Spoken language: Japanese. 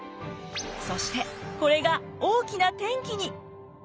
そしてこれが大きな転機に！